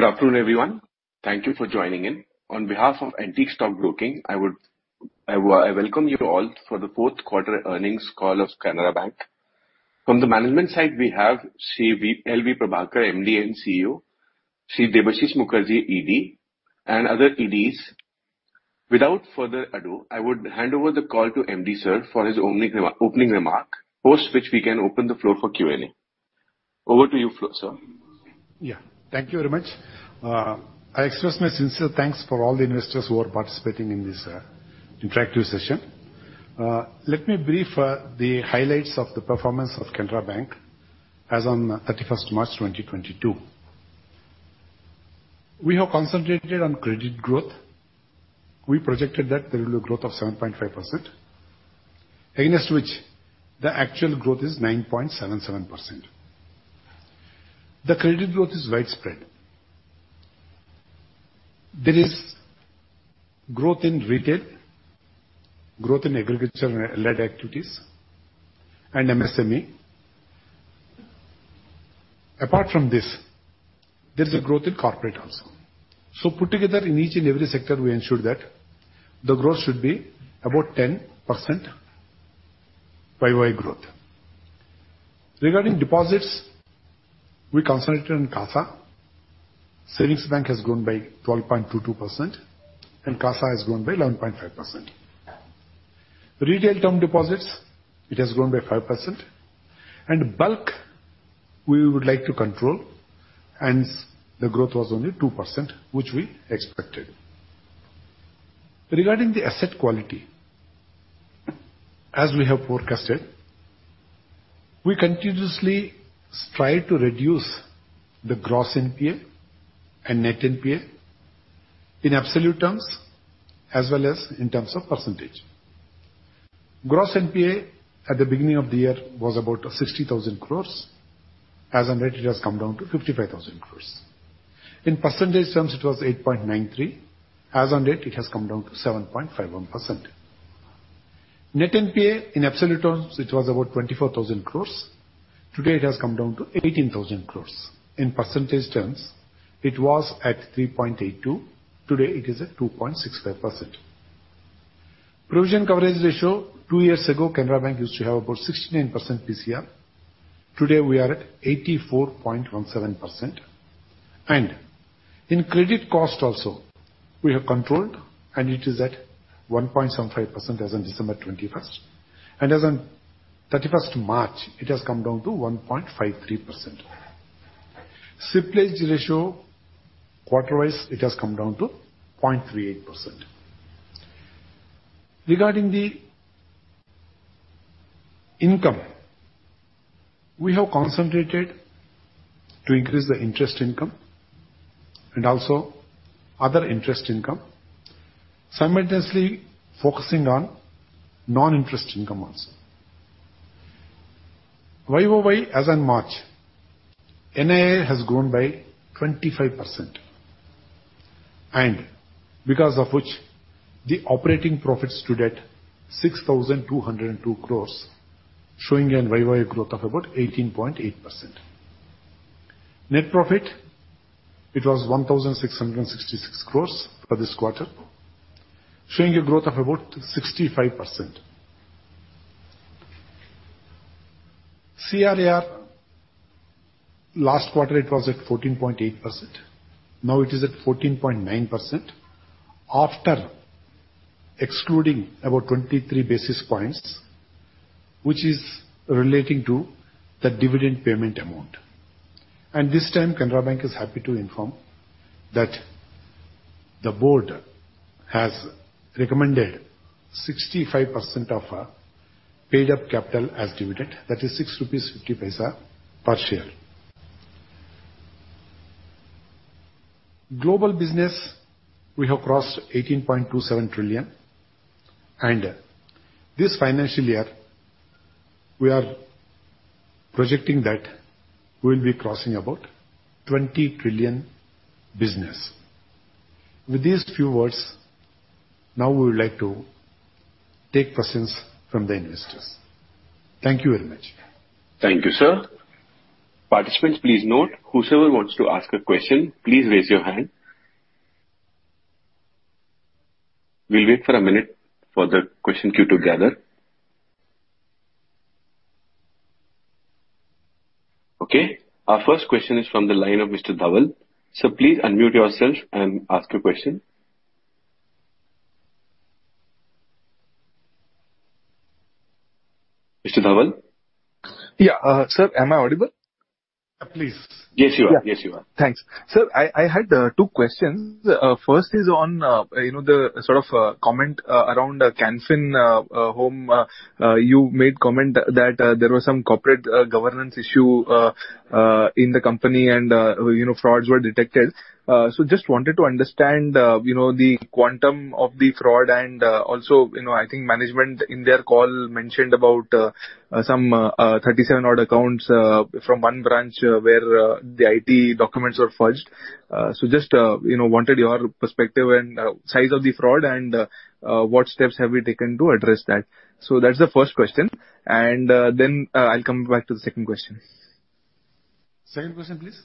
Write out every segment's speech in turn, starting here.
Good afternoon, everyone. Thank you for joining in. On behalf of Antique Stock Broking, I welcome you all for the fourth quarter earnings call of Canara Bank. From the management side, we have Sri L. V. Prabhakar, MD & CEO, Sri Debashish Mukherjee, ED, and other EDs. Without further ado, I would hand over the call to MD, sir, for his opening remark, post which we can open the floor for Q&A. Over to you, sir. Yeah. Thank you very much. I express my sincere thanks for all the investors who are participating in this interactive session. Let me brief the highlights of the performance of Canara Bank as on 31st March 2022. We have concentrated on credit growth. We projected that there will be growth of 7.5%, against which the actual growth is 9.77%. The credit growth is widespread. There is growth in retail, growth in agriculture-led activities and MSME. Apart from this, there's a growth in corporate also. Put together, in each and every sector, we ensure that the growth should be about 10% Y-o-Y growth. Regarding deposits, we concentrated on CASA. Savings bank has grown by 12.22% and CASA has grown by 11.5%. Retail term deposits, it has grown by 5%. Bulk, we would like to control, and the growth was only 2%, which we expected. Regarding the asset quality, as we have forecasted, we continuously strive to reduce the Gross NPA and net NPA in absolute terms, as well as in terms of percentage. Gross NPA at the beginning of the year was about 60,000 crore. As on date, it has come down to 55,000 crore. In percentage terms, it was 8.93%. As on date, it has come down to 7.51%. Net NPA, in absolute terms, it was about 24,000 crore. Today, it has come down to 18,000 crore. In percentage terms, it was at 3.82%. Today, it is at 2.65%. Provision coverage ratio, two years ago, Canara Bank used to have about 69% PCR. Today, we are at 84.17%. In credit cost also, we have controlled, and it is at 1.75% as on December 21st. As on March 31st, it has come down to 1.53%. Slippage ratio, quarter-wise, it has come down to 0.38%. Regarding the income, we have concentrated to increase the interest income and also other income, simultaneously focusing on non-interest income also. Y-o-Y, as on March, NII has grown by 25%, and because of which the operating profit stood at 6,202 crore, showing a Y-o-Y growth of about 18.8%. Net profit, it was 1,666 crore for this quarter, showing a growth of about 65%. CRAR, last quarter it was at 14.8%. Now it is at 14.9% after excluding about 23 basis points, which is relating to the dividend payment amount. This time, Canara Bank is happy to inform that the board has recommended 65% of paid-up capital as dividend. That is 6.50 rupees per share. Global business, we have crossed 18.27 trillion. This financial year, we are projecting that we'll be crossing about 20 trillion business. With these few words, now we would like to take questions from the investors. Thank you very much. Thank you, sir. Participants, please note whosoever wants to ask a question, please raise your hand. We'll wait for a minute for the question queue to gather. Okay. Our first question is from the line of Mr. Dhaval. Sir, please unmute yourself and ask your question. Mr. Dhaval? Yeah. Sir, am I audible? Please. Yes, you are. Thanks. Sir, I had two questions. First is on you know, the sort of comment around Can Fin Homes. You made comment that there was some corporate governance issue in the company and you know, frauds were detected. So just wanted to understand you know, the quantum of the fraud and also, you know, I think management in their call mentioned about some 37 odd accounts from one branch where the title documents were fudged. So just you know, wanted your perspective and size of the fraud and what steps have we taken to address that. That's the first question. I'll come back to the second question. Second question, please.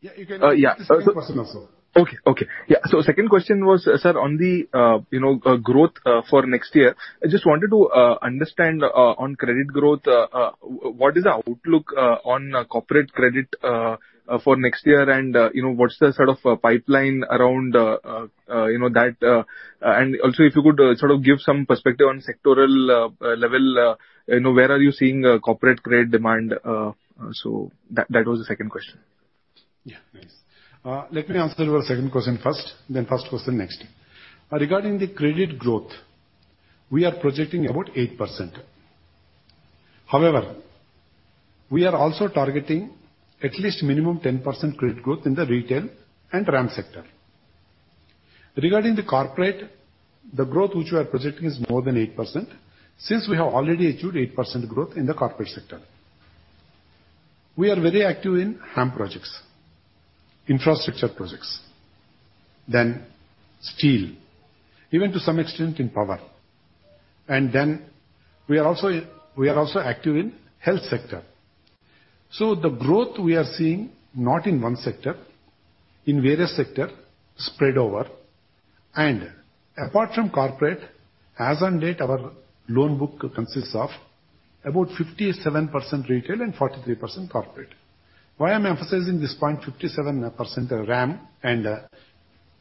Yeah, you can- Yeah. Ask your question also. Second question was, sir, on the, you know, growth for next year. I just wanted to understand on credit growth, what is the outlook on corporate credit for next year? You know, what's the sort of pipeline around, you know, that. Also if you could sort of give some perspective on sectoral level, you know, where are you seeing corporate credit demand? That was the second question. Yeah, thanks. Let me answer your second question first, then first question next. Regarding the credit growth, we are projecting about 8%. However, we are also targeting at least minimum 10% credit growth in the retail and RAM sector. Regarding the corporate, the growth which we are projecting is more than 8% since we have already achieved 8% growth in the corporate sector. We are very active in HAM projects, infrastructure projects, then steel, even to some extent in power. We are also active in health sector. The growth we are seeing not in one sector, in various sector spread over. Apart from corporate, as on date, our loan book consists of about 57% retail and 43% corporate. Why I'm emphasizing this point, 57% RAM and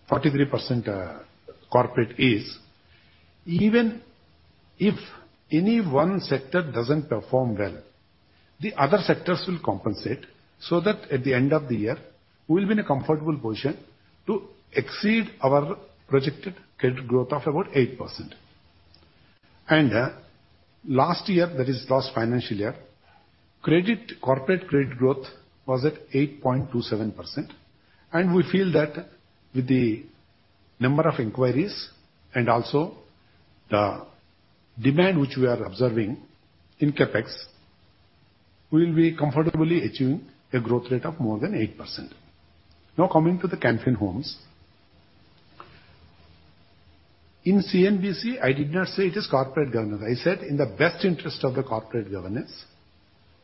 43% corporate is even if any one sector doesn't perform well, the other sectors will compensate so that at the end of the year we'll be in a comfortable position to exceed our projected credit growth of about 8%. Last year, that is last financial year, credit, corporate credit growth was at 8.27%. We feel that with the number of inquiries and also the demand which we are observing in CapEx, we will be comfortably achieving a growth rate of more than 8%. Now, coming to the Can Fin Homes. In CNBC, I did not say it is corporate governance. I said in the best interest of the corporate governance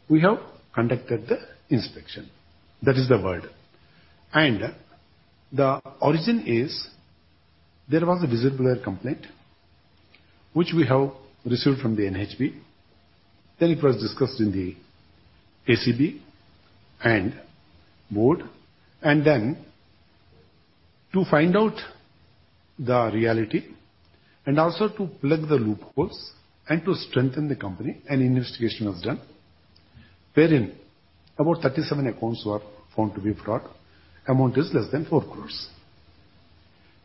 we have conducted the inspection. That is the word. The origin is there was a whistleblower complaint which we have received from the NHB. It was discussed in the ACB and board. To find out the reality and also to plug the loopholes and to strengthen the company, an investigation was done wherein about 37 accounts were found to be fraud. Amount is less than 4 crore.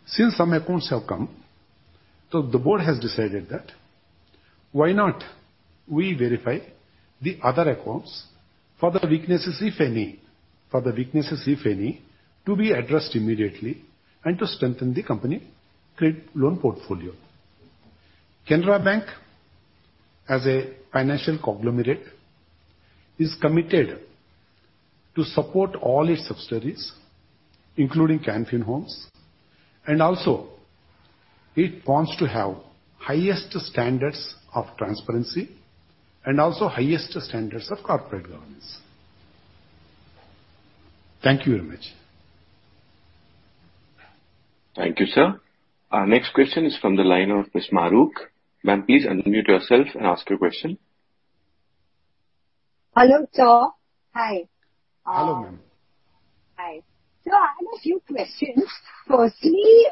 Since some accounts have come, so the board has decided that why not we verify the other accounts for the weaknesses if any to be addressed immediately and to strengthen the company credit loan portfolio. Canara Bank, as a financial conglomerate, is committed to support all its subsidiaries, including Can Fin Homes, and also it wants to have highest standards of transparency and also highest standards of corporate governance. Thank you very much. Thank you, sir. Our next question is from the line of Ms. Mahrukh. Ma'am, please unmute yourself and ask your question. Hello, sir. Hi. Hello, ma'am. Hi. Sir, I have a few questions. Firstly,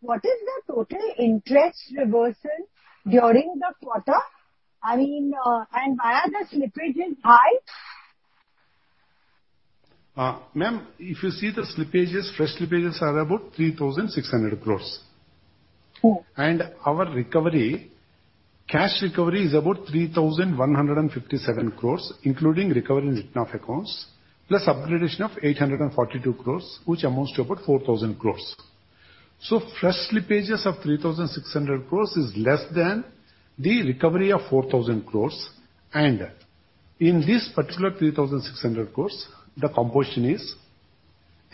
what is the total interest reversal during the quarter? I mean, and are the slippages high? Ma'am, if you see the slippages, fresh slippages are about 3,600 crores. Oh. Our recovery, cash recovery is about 3,157 crore, including recovery in written off accounts, plus upgradation of 842 crore, which amounts to about 4,000 crore. Fresh slippages of 3,600 crore is less than the recovery of 4,000 crore. In this particular 3,600 crore, the composition is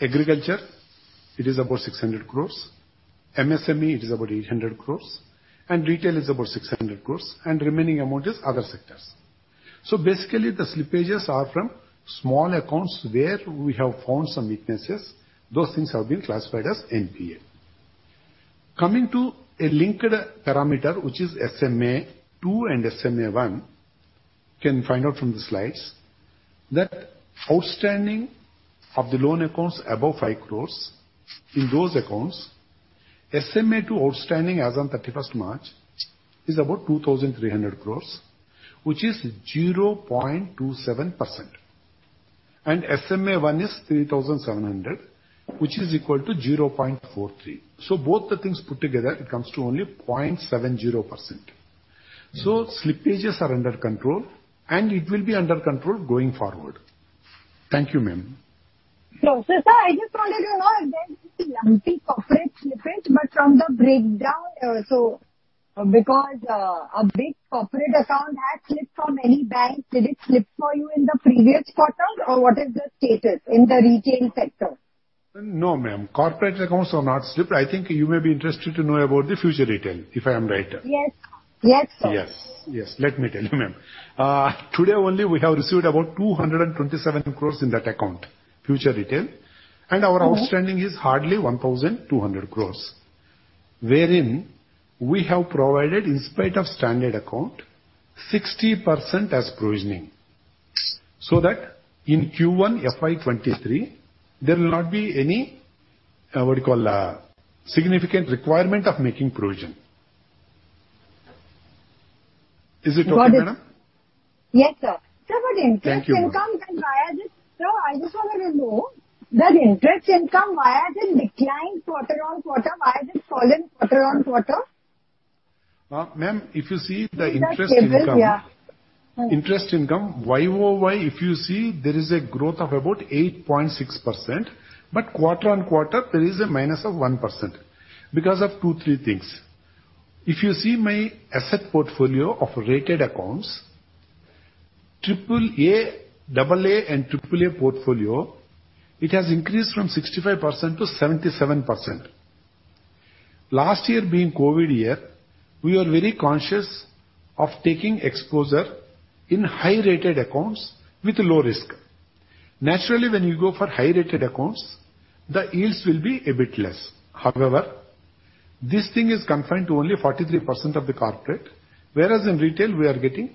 agriculture, it is about 600 crore, MSME it is about 800 crore, and retail is about 600 crore, and remaining amount is other sectors. Basically the slippages are from small accounts where we have found some weaknesses. Those things have been classified as NPA. Coming to a linked parameter, which is SMA-2 and SMA-1, you can find out from the slides that outstanding of the loan accounts above 5 crore. In those accounts, SMA-2 outstanding as on 31 March is about 2,300 crore, which is 0.27%. SMA-1 is 3,700, which is equal to 0.43%. Both the things put together, it comes to only 0.70%. Slippages are under control and it will be under control going forward. Thank you, ma'am. Sir, I just wanted to know if there's any corporate slippage, but from the breakdown also, because a big corporate account had slipped from any bank. Did it slip for you in the previous quarter or what is the status in the retail sector? No, ma'am. Corporate accounts are not slippery. I think you may be interested to know about the Future Retail, if I am right. Yes. Yes, sir. Yes. Yes. Let me tell you, ma'am. Today only we have received about 227 crore in that account, Future Retail. Our outstanding is hardly 1,200 crore, wherein we have provided, in spite of standard account, 60% as provisioning, so that in Q1 FY 2023 there will not be any significant requirement of making provision. Is it okay, madam? Yes, sir. Thank you, ma'am. Sir, I just wanted to know that interest income, why has it declined quarter-over-quarter? Why has it fallen quarter-over-quarter? Ma'am, if you see the interest income. In that table, yeah. Interest income, Y-o-Y, if you see, there is a growth of about 8.6%, but quarter-on-quarter there is a minus of 1%, because of two, three things. If you see my asset portfolio of rated accounts, triple A, double A and triple A portfolio, it has increased from 65%-77%. Last year being COVID year, we are very conscious of taking exposure in high-rated accounts with low risk. Naturally, when you go for high-rated accounts, the yields will be a bit less. However, this thing is confined to only 43% of the corporate, whereas in retail we are getting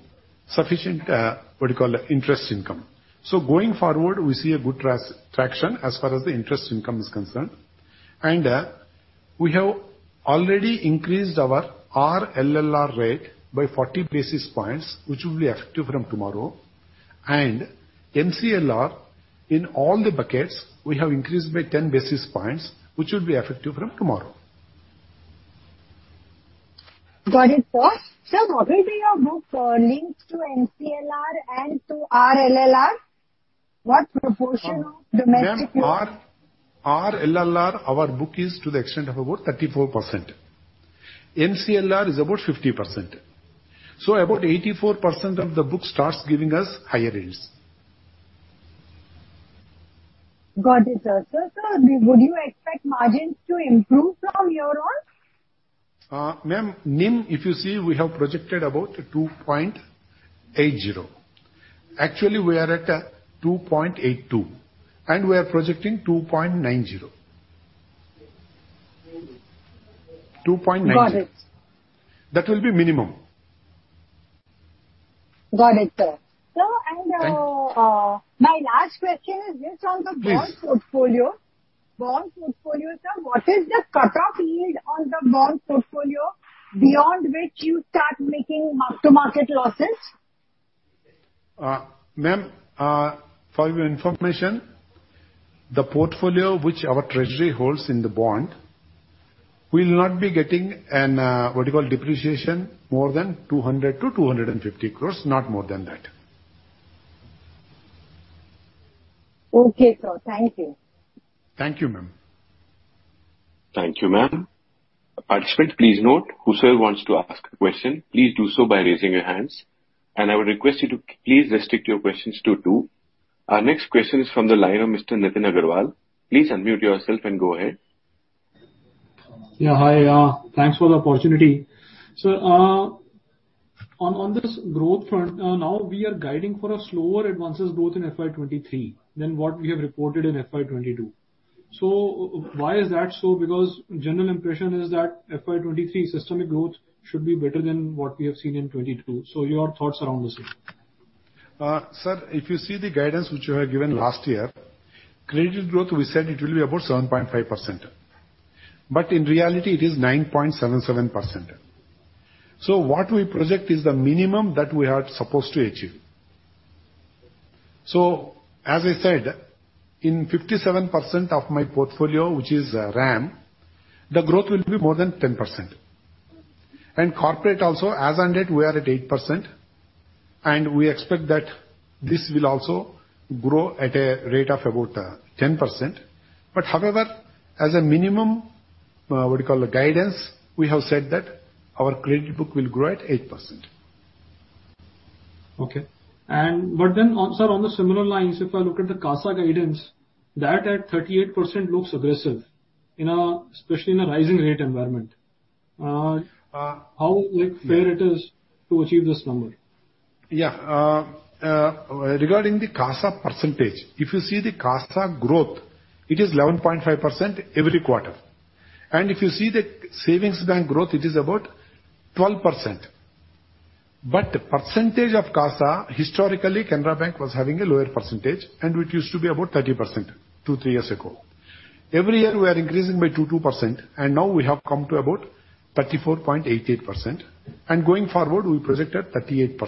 sufficient, what do you call, interest income. Going forward, we see a good traction as far as the interest income is concerned. We have already increased our RLLR rate by 40 basis points, which will be effective from tomorrow. MCLR, in all the buckets, we have increased by 10 basis points, which will be effective from tomorrow. Got it, sir. Sir, how will be your book linked to MCLR and to RLLR? What proportion of domestic- Ma'am, RLLR, our book is to the extent of about 34%. MCLR is about 50%. About 84% of the book starts giving us higher rates. Got it, sir. Sir, would you expect margins to improve from here on? Ma'am, NIM, if you see, we have projected about 2.80%. Actually, we are at 2.82%, and we are projecting 2.90%. 2.90%. Got it. That will be minimum. Got it, sir. Sir, my last question is just on the bond portfolio. Please. Bond portfolio, sir, what is the cutoff yield on the bond portfolio beyond which you start making mark-to-market losses? Ma'am, for your information, the portfolio which our treasury holds in the bond, we'll not be getting a depreciation more than 200 crore-250 crore. Not more than that. Okay, sir. Thank you. Thank you, ma'am. Thank you, ma'am. Participants, please note, whosoever wants to ask a question, please do so by raising your hands. I would request you to please restrict your questions to two. Our next question is from the line of Mr. Nitin Agarwal. Please unmute yourself and go ahead. Yeah, hi. Thanks for the opportunity. On this growth front, now we are guiding for a slower advances growth in FY 2023 than what we have reported in FY 2022. Why is that so? Because general impression is that FY 2023 systemic growth should be better than what we have seen in 2022. Your thoughts around this, sir. Sir, if you see the guidance which we had given last year, credit growth, we said it will be about 7.5%, but in reality it is 9.77%. What we project is the minimum that we are supposed to achieve. As I said, in 57% of my portfolio, which is RAM, the growth will be more than 10%. Corporate also, as on date, we are at 8%, and we expect that this will also grow at a rate of about 10%. But however, as a minimum, guidance, we have said that our credit book will grow at 8%. Sir, on the similar lines, if I look at the CASA guidance, that at 38% looks aggressive, especially in a rising rate environment. How, like, fair it is to achieve this number? Yeah. Regarding the CASA percentage, if you see the CASA growth, it is 11.5% every quarter. If you see the savings bank growth, it is about 12%. Percentage of CASA, historically Canara Bank was having a lower percentage, and which used to be about 30% two to three years ago. Every year we are increasing by 2%, and now we have come to about 34.88%, and going forward we project at 38%.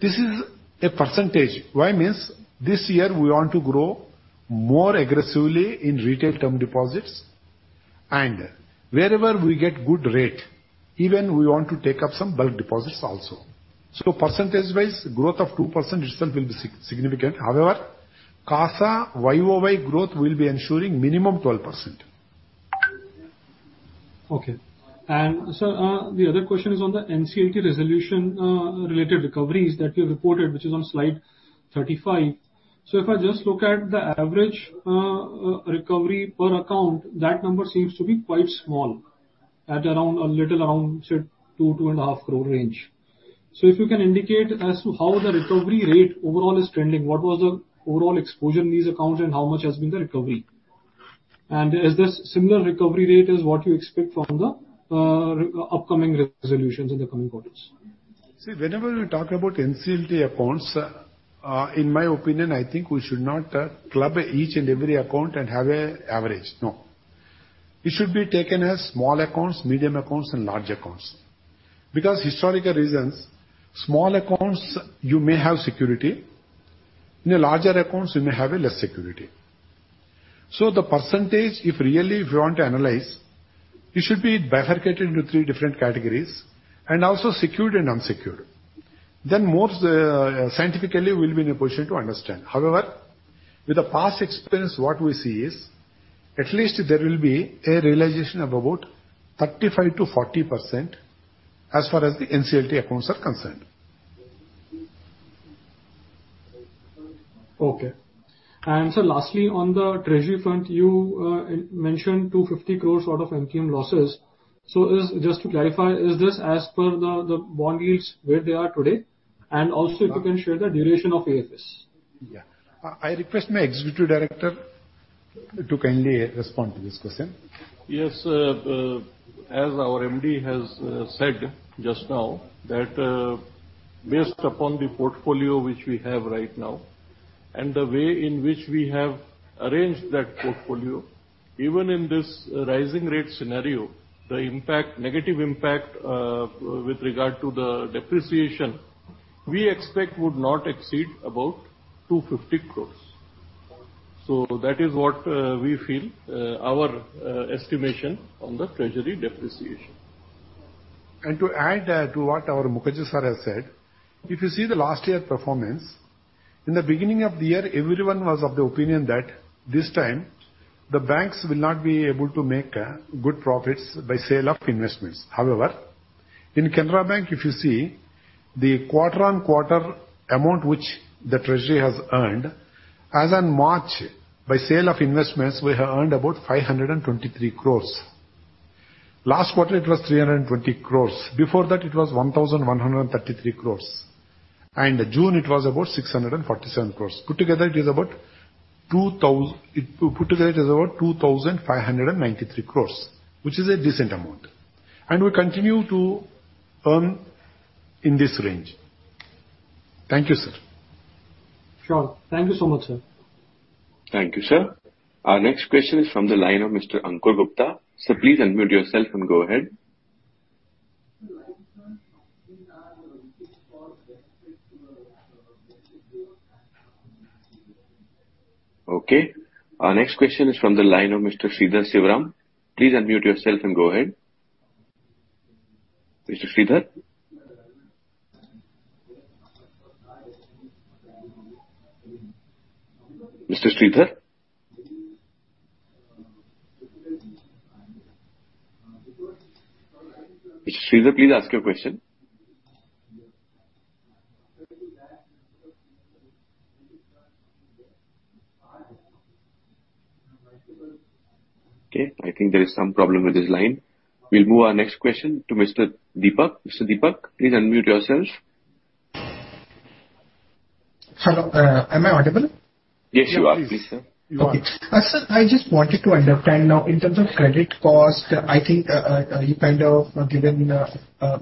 This is a percentage. Why? Means this year we want to grow more aggressively in retail term deposits, and wherever we get good rate, even we want to take up some bulk deposits also. Percentage-wise, growth of 2% itself will be significant. However, CASA Y-o-Y growth will be ensuring minimum 12%. Okay. The other question is on the NCLT resolution related recoveries that you reported, which is on slide 35. If I just look at the average recovery per account, that number seems to be quite small, at around, say, 2 crore-2.5 crore range. If you can indicate as to how the recovery rate overall is trending, what was the overall exposure in these accounts and how much has been the recovery? Is this similar recovery rate is what you expect from the upcoming resolutions in the coming quarters? See, whenever we talk about NCLT accounts, in my opinion, I think we should not club each and every account and have an average. No. It should be taken as small accounts, medium accounts and large accounts. Historical reasons, small accounts you may have security, in larger accounts you may have less security. The percentage, if you really want to analyze, it should be bifurcated into three different categories and also secured and unsecured. More scientifically we'll be in a position to understand. With the past experience, what we see is at least there will be a realization of about 35%-40% as far as the NCLT accounts are concerned. Okay. Sir, lastly, on the treasury front, you mentioned 250 crore out of MTM losses. Just to clarify, is this as per the bond yields where they are today? Also if you can share the duration of AFS. I request my executive director to kindly respond to this question. Yes. As our MD has said just now that based upon the portfolio which we have right now and the way in which we have arranged that portfolio, even in this rising rate scenario, the impact, negative impact, with regard to the depreciation, we expect would not exceed about 250 crore. That is what we feel our estimation on the treasury depreciation. To add to what our Mukherjee sir has said, if you see the last year performance, in the beginning of the year everyone was of the opinion that this time the banks will not be able to make good profits by sale of investments. However, in Canara Bank, if you see, the quarter-on-quarter amount which the treasury has earned, as on March by sale of investments we have earned about 523 crore. Last quarter it was 320 crore. Before that it was 1,133 crore, and June it was about 647 crore. Put together it is about 2,593 crore, which is a decent amount. We continue to earn in this range. Thank you, sir. Sure. Thank you so much, sir. Thank you, sir. Our next question is from the line of Mr. Ankur Gupta. Sir, please unmute yourself and go ahead. Okay. Our next question is from the line of Mr. Sridhar Shivaram. Please unmute yourself and go ahead. Mr. Sridhar? Mr. Sridhar? Mr. Sridhar, please ask your question. Okay, I think there is some problem with his line. We'll move our next question to Mr. Deepak. Mr. Deepak, please unmute yourself. Hello. Am I audible? Yes, you are. Please, sir. Okay. Sir, I just wanted to understand now in terms of credit cost. I think you kind of given an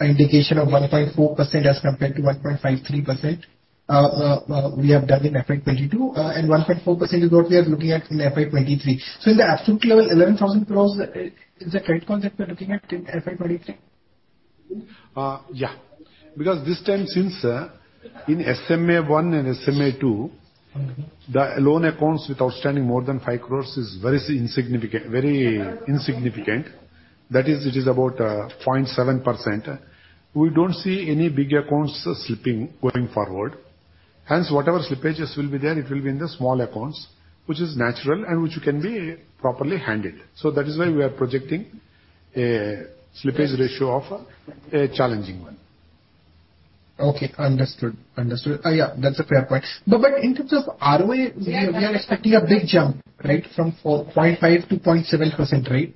indication of 1.4% as compared to 1.53% we have done in FY 2022. 1.4% is what we are looking at in FY 2023. In the absolute level, 11,000 crore, is the credit cost that we are looking at in FY 2023? Yeah. Because this time since, in SMA-1 and SMA-2. Mm-hmm. The loan accounts with outstanding more than 5 crore is very insignificant. That is, it is about 0.7%. We don't see any big accounts slipping going forward. Hence, whatever slippages will be there, it will be in the small accounts, which is natural and which can be properly handled. That is why we are projecting a slippage ratio of a challenging one. Okay, understood. Yeah, that's a fair point. In terms of ROA, we are expecting a big jump, right? From 0.45%-0.7%, right?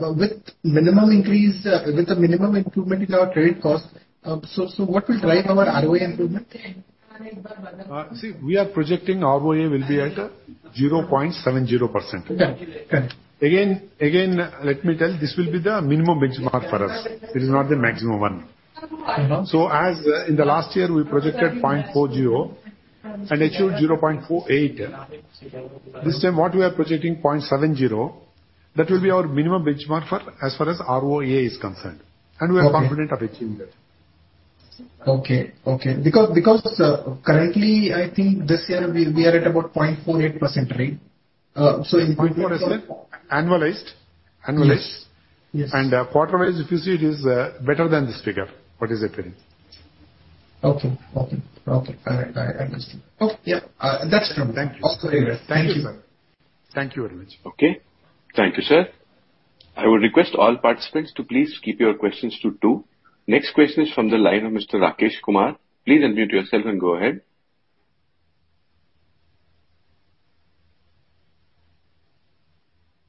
With a minimum improvement in our credit cost. What will drive our ROA improvement? See, we are projecting ROA will be at 0.70%. Yeah. Yeah. Again, let me tell, this will be the minimum benchmark for us. It is not the maximum one. Mm-hmm. In the last year we projected 0.40% and achieved 0.48%. This time what we are projecting, 0.70%, that will be our minimum benchmark for as far as ROA is concerned. Okay. We are confident of achieving that. Okay. Currently, I think this year we are at about 0.48%, right? In- 0.4% annualized. Yes. Yes. Quarterized, if you see, it is better than this figure. What is occurring. Okay. I understand. Oh, yeah. That's it. Thank you. Okay. Thank you, sir. Thank you very much. Okay. Thank you, sir. I would request all participants to please keep your questions to two. Next question is from the line of Mr. Rakesh Kumar. Please unmute yourself and go ahead.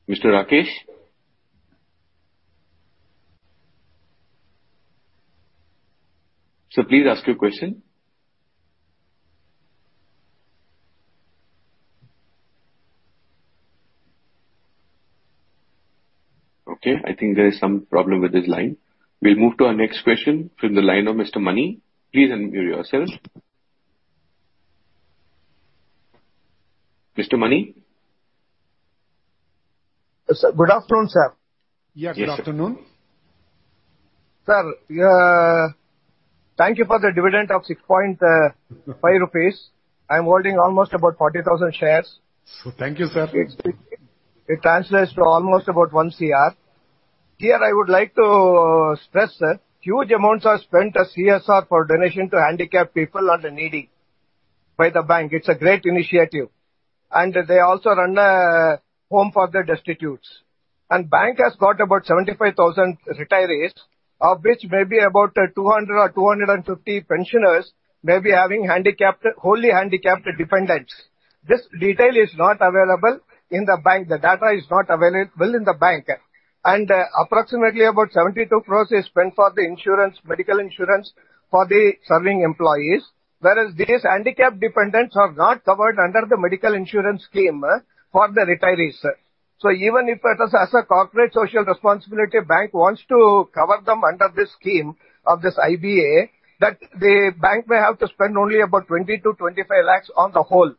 Mr. Rakesh? Sir, please ask your question. Okay, I think there is some problem with his line. We'll move to our next question from the line of Mr. Mani. Please unmute yourself. Mr. Mani? Sir, good afternoon, sir. Yeah, good afternoon. Sir, thank you for the dividend of 6.5 rupees. I'm holding almost about 40,000 shares. Thank you, sir. It translates to almost about 1 crore. Here I would like to stress, sir, huge amounts are spent as CSR for donation to handicapped people and the needy by the bank. It's a great initiative. They also run a home for the destitutes. Bank has got about 75,000 retirees, of which maybe about 200 or 250 pensioners may be having wholly handicapped dependents. This detail is not available in the bank. The data is not available in the bank. Approximately about 72 crore is spent for the insurance, medical insurance for the serving employees, whereas these handicapped dependents are not covered under the medical insurance scheme for the retirees, sir. Even if it is as a corporate social responsibility bank wants to cover them under this scheme of this IBA, that the bank may have to spend only about 20 lakhs-25 lakhs on the whole.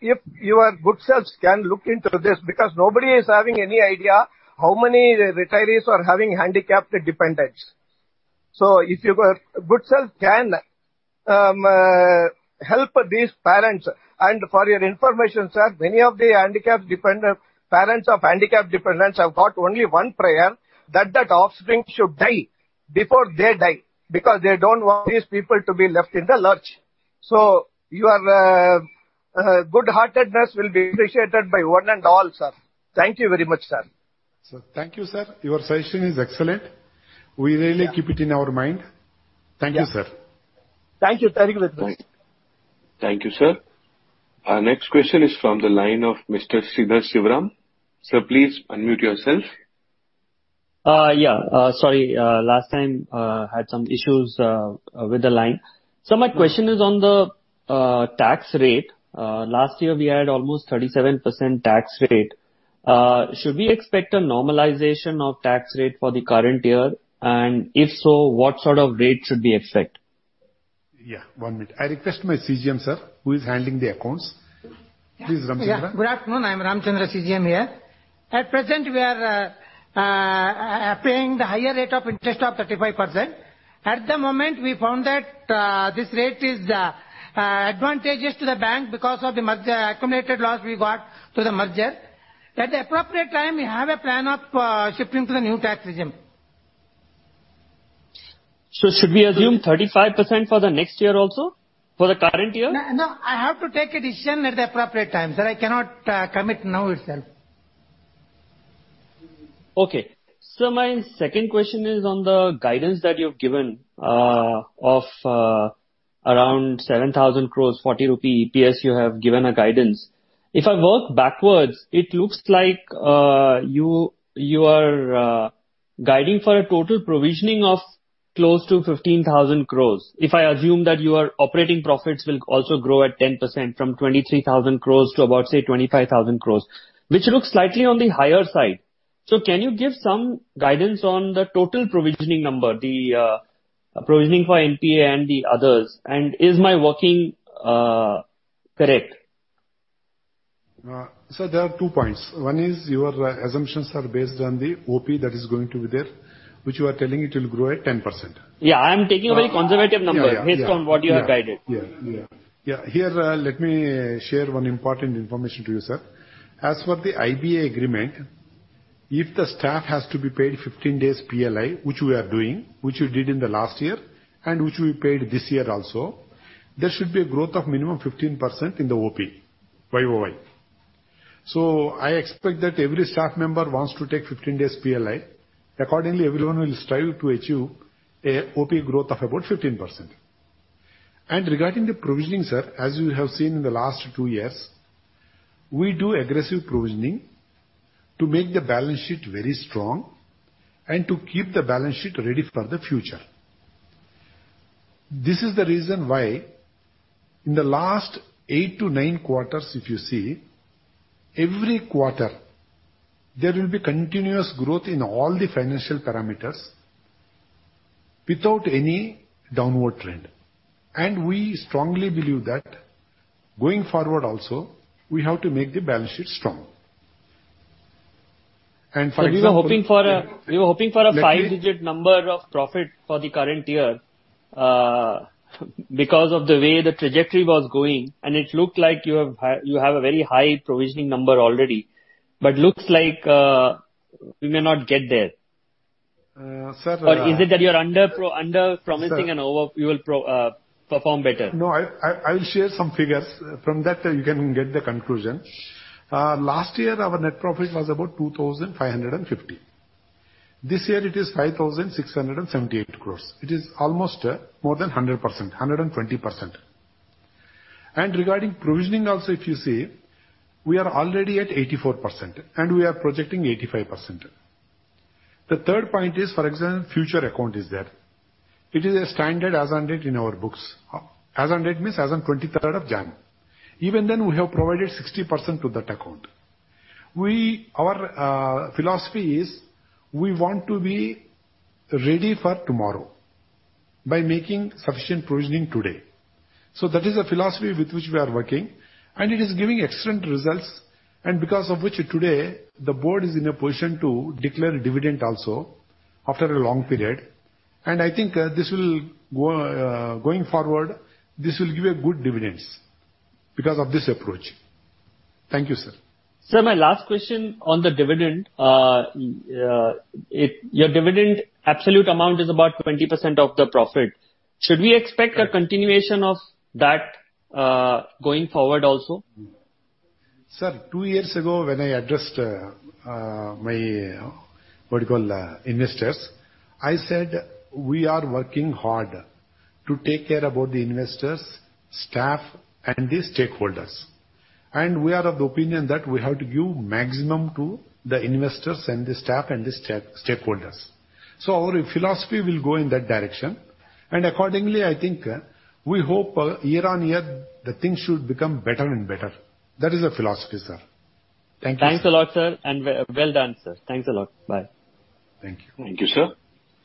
If your good selves can look into this, because nobody is having any idea how many retirees are having handicapped dependents. If your good self can help these parents. For your information, sir, many of the handicapped dependent parents of handicapped dependents have got only one prayer, that offspring should die before they die, because they don't want these people to be left in the lurch. Your good-heartedness will be appreciated by one and all, sir. Thank you very much, sir. Sir, thank you, sir. Your suggestion is excellent. We really keep it in our mind. Thank you, sir. Thank you very much. Thank you, sir. Our next question is from the line of Mr. Sridhar Shivaram. Sir, please unmute yourself. Yeah. Sorry, last time had some issues with the line. My question is on the tax rate. Last year we had almost 37% tax rate. Should we expect a normalization of tax rate for the current year? If so, what sort of rate should we expect? Yeah. One minute. I request my CGM sir, who is handling the accounts. Please, Ramachandra. Yeah. Good afternoon. I'm Ramachandra, CGM here. At present, we are paying the higher rate of interest of 35%. At the moment, we found that this rate is advantageous to the bank because of the merger accumulated loss we got through the merger. At the appropriate time, we have a plan of shifting to the new tax regime. Should we assume 35% for the next year also? For the current year? No. No. I have to take a decision at the appropriate time, sir. I cannot, commit now itself. Okay. Sir, my second question is on the guidance that you've given of around 7,000 crore, 40 rupee EPS you have given a guidance. If I work backwards, it looks like you are guiding for a total provisioning of close to 15,000 crore. If I assume that your operating profits will also grow at 10% from 23,000 crore to about, say, 25,000 crore, which looks slightly on the higher side. Can you give some guidance on the total provisioning number, the provisioning for NPA and the others, and is my working correct? Sir, there are two points. One is your assumptions are based on the OP that is going to be there, which you are telling it will grow at 10%. Yeah. I am taking a very conservative number. Yeah. Yeah. Based on what you have guided. Yeah. Here, let me share one important information to you, sir. As for the IBA agreement, if the staff has to be paid 15 days PLI, which we are doing, which we did in the last year, and which we paid this year also, there should be a growth of minimum 15% in the OP Y-o-Y. I expect that every staff member wants to take 15 days PLI. Accordingly, everyone will strive to achieve a OP growth of about 15%. Regarding the provisioning, sir, as you have seen in the last two years, we do aggressive provisioning to make the balance sheet very strong and to keep the balance sheet ready for the future. This is the reason why in the last 8-9 quarters, if you see, every quarter, there will be continuous growth in all the financial parameters without any downward trend. We strongly believe that going forward also, we have to make the balance sheet strong. For example. We were hoping for a- Let me- We were hoping for a five-digit number of profit for the current year, because of the way the trajectory was going, and it looked like you have a very high provisioning number already. Looks like we may not get there. Uh, sir- Is it that you're underpromising? Sir. You will perform better. No, I'll share some figures. From that, you can get the conclusion. Last year our net profit was about 2,550 crores. This year it is 5,678 crores. It is almost more than 100%, 120%. Regarding provisioning also, if you see, we are already at 84%, and we are projecting 85%. The third point is, for example, Future account is there. It is a standard as on date in our books. As on date means as on twenty-third of January. Even then, we have provided 60% to that account. Our philosophy is we want to be ready for tomorrow by making sufficient provisioning today. That is the philosophy with which we are working, and it is giving excellent results, and because of which today the board is in a position to declare a dividend also after a long period. I think, going forward, this will give a good dividends because of this approach. Thank you, sir. Sir, my last question on the dividend. Your dividend absolute amount is about 20% of the profit. Should we expect- Right. a continuation of that, going forward also? Sir, two years ago when I addressed my investors, I said, we are working hard to take care of the investors, staff, and the stakeholders. We are of the opinion that we have to give maximum to the investors and the staff and the stakeholders. Our philosophy will go in that direction. Accordingly, I think we hope year-on-year the things should become better and better. That is our philosophy, sir. Thank you. Thanks a lot, sir, and well done, sir. Thanks a lot. Bye. Thank you. Thank you, sir.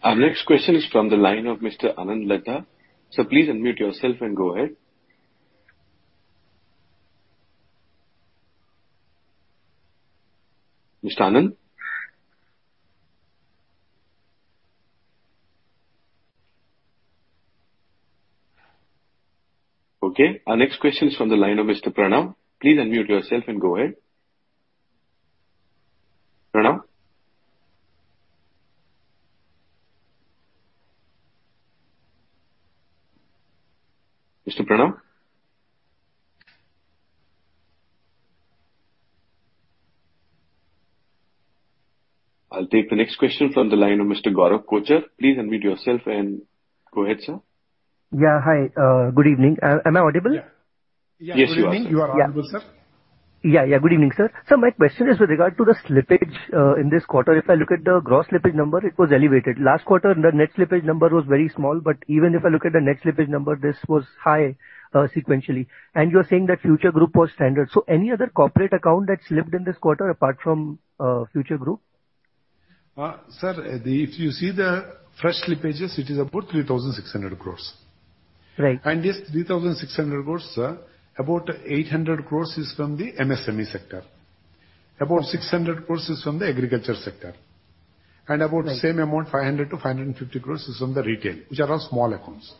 Our next question is from the line of Mr. Anand Laddha. Sir, please unmute yourself and go ahead. Mr. Anand? Okay, our next question is from the line of Mr. Pranav. Please unmute yourself and go ahead. Pranav? Mr. Pranav? I'll take the next question from the line of Mr. Gaurav Kochar. Please unmute yourself and go ahead, sir. Yeah, hi. Good evening. Am I audible? Yeah. Yeah. Yes, you are, sir. Good evening. You are audible, sir. Yeah. Good evening, sir. Sir, my question is with regard to the slippage in this quarter. If I look at the gross slippage number, it was elevated. Last quarter, the net slippage number was very small, but even if I look at the net slippage number, this was high sequentially. You're saying that Future Group was standard. Any other corporate account that slipped in this quarter apart from Future Group? Sir, if you see the fresh slippages, it is about 3,600 crores. Right. This 3,600 crore, sir, about 800 crore is from the MSME sector, about 600 crore is from the agriculture sector. Right. About same amount, 500 crore-550 crore, is from the retail, which are all small accounts.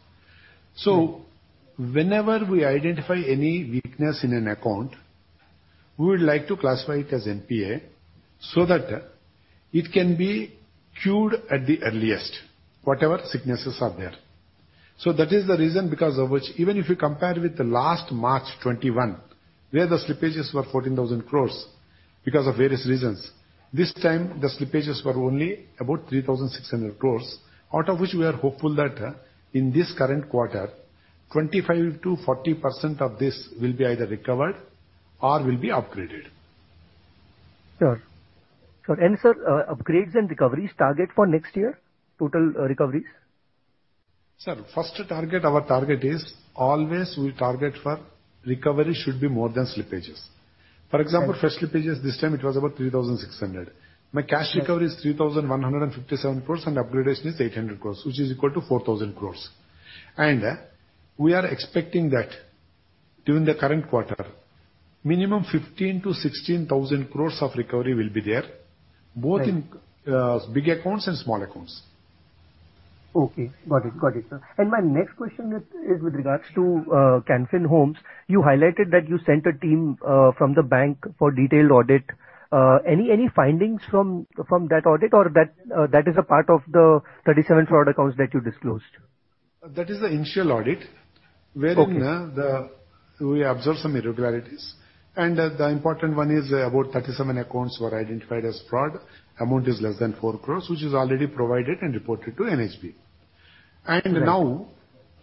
Mm-hmm. Whenever we identify any weakness in an account, we would like to classify it as NPA so that it can be cured at the earliest, whatever sicknesses are there. That is the reason because of which even if you compare with the last March 2021, where the slippages were 14,000 crore because of various reasons, this time the slippages were only about 3,600 crore, out of which we are hopeful that in this current quarter, 25%-40% of this will be either recovered or will be upgraded. Sure. Sir, upgrades and recoveries target for next year, total, recoveries? Sir, first target, our target is always we target for recovery should be more than slippages. Okay. For example, fresh slippages this time, it was about 3,600. Right. My cash recovery is 3,157 crores and upgradation is 800 crores, which is equal to 4,000 crores. We are expecting that during the current quarter, minimum 15,000 crores-16,000 crores of recovery will be there. Right. both in big accounts and small accounts. Okay. Got it, sir. My next question is with regards to Can Fin Homes. You highlighted that you sent a team from the bank for detailed audit. Any findings from that audit or that is a part of the 37 fraud accounts that you disclosed? That is the initial audit. Okay. We observed some irregularities. The important one is about 37 accounts were identified as fraud. Amount is less than 4 crore, which is already provided and reported to NHB. Right. Now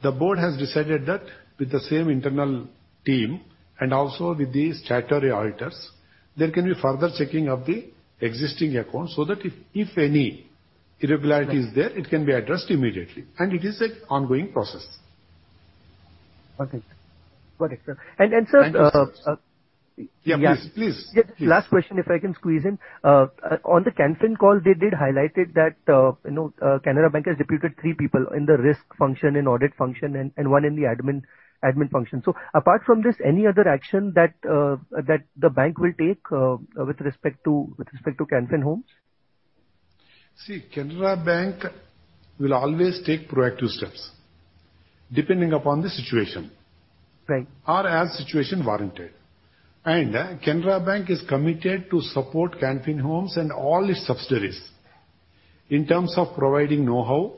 the board has decided that with the same internal team and also with the statutory auditors, there can be further checking of the existing accounts so that if any irregularity is there. Right. It can be addressed immediately. It is an ongoing process. Okay. Got it, sir. Thank you, sir. Yeah, please. Please. Yeah. Just last question, if I can squeeze in. On the Can Fin call, they did highlight it that, you know, Canara Bank has deputed three people in the risk function and audit function and one in the admin function. Apart from this, any other action that the bank will take with respect to Can Fin Homes? See, Canara Bank will always take proactive steps depending upon the situation. Right. or as situation warranted. Canara Bank is committed to support Can Fin Homes and all its subsidiaries in terms of providing know-how,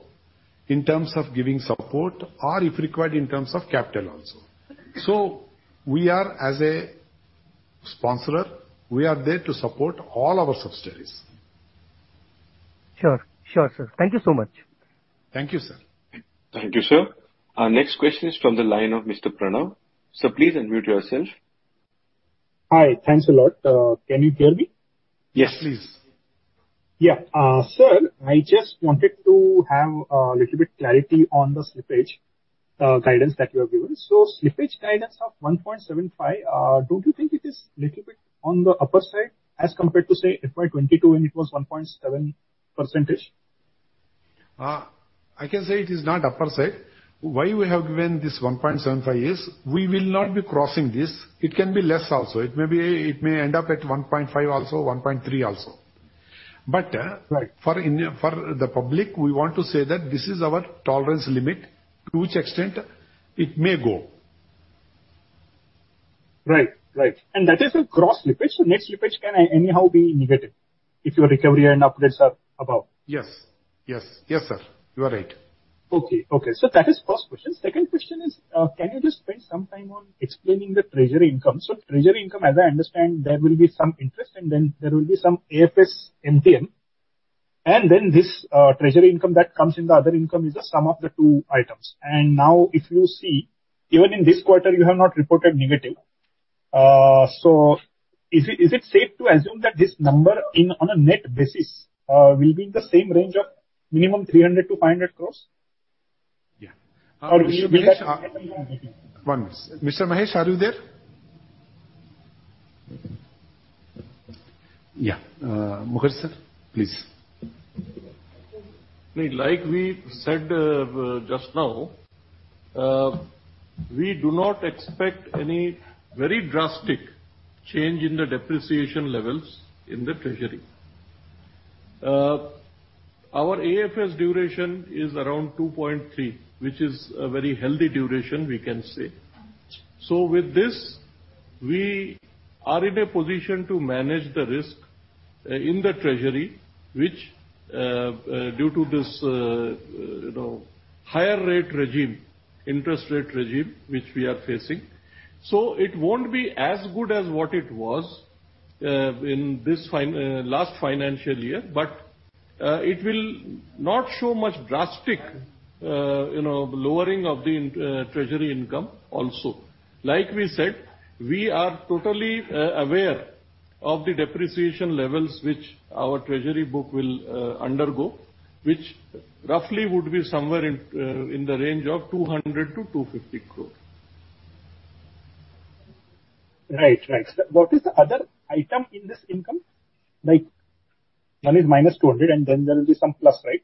in terms of giving support or if required, in terms of capital also. We are as a sponsor, we are there to support all our subsidiaries. Sure, sir. Thank you so much. Thank you, sir. Thank you, sir. Our next question is from the line of Mr. Pranav. Sir, please unmute yourself. Hi. Thanks a lot. Can you hear me? Yes, please. Yeah. Sir, I just wanted to have a little bit clarity on the slippage guidance that you have given. Slippage guidance of 1.75%, don't you think it is little bit on the upper side as compared to, say, FY 2022 when it was 1.7%? I can say it is not upside. Why we have given this 1.75% is we will not be crossing this. It can be less also. It may be. It may end up at 1.5% also, 1.3% also. Right. For the public, we want to say that this is our tolerance limit, to which extent it may go. Right. That is a gross slippage, next slippage can anyhow be negative if your recovery and upgrades are above. Yes. Yes. Yes, sir. You are right. That is first question. Second question is, can you just spend some time on explaining the treasury income? Treasury income, as I understand, there will be some interest and then there will be some AFS MTM. Then this treasury income that comes in the other income is a sum of the two items. Now if you see, even in this quarter you have not reported negative. Is it safe to assume that this number in, on a net basis, will be in the same range of minimum 300 crores-500 crores? Yeah. Will that? One minute. Mr. Debashish Mukherjee, are you there? Yeah. Mr. Debashish Mukherjee, sir, please. Like we said, just now, we do not expect any very drastic change in the depreciation levels in the treasury. Our AFS duration is around 2.3, which is a very healthy duration, we can say. With this, we are in a position to manage the risk in the treasury, which due to this, you know, higher rate regime, interest rate regime, which we are facing. It won't be as good as what it was in this last financial year, but it will not show much drastic, you know, lowering of the treasury income also. Like we said, we are totally aware of the depreciation levels which our treasury book will undergo, which roughly would be somewhere in the range of 200 crore-250 crore. Right. What is the other item in this income? Like, one is -200 and then there will be some plus, right?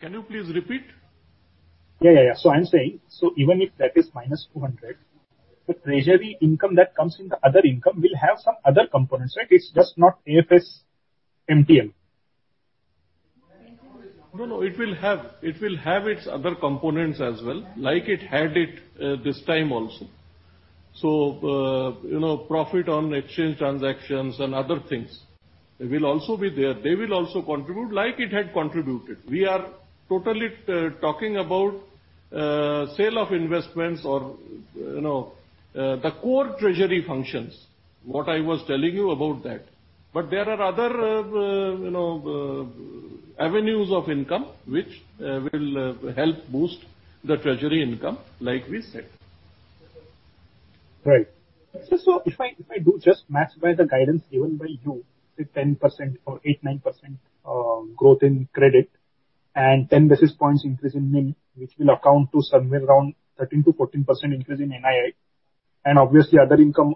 Can you please repeat? Yeah. Yeah. I'm saying, even if that is -200, the treasury income that comes in the other income will have some other components, right? It's just not AFS MTM. No, no. It will have its other components as well, like it had this time also. You know, profit on exchange transactions and other things will also be there. They will also contribute like it had contributed. We are totally talking about sale of investments or, you know, the core treasury functions, what I was telling you about that. But there are other, you know, avenues of income which will help boost the treasury income, like we said. Right. If I do just match by the guidance given by you, say 10% or 8%-9% growth in credit and 10 basis points increase in NIM, which will amount to somewhere around 13%-14% increase in NII. Obviously other income,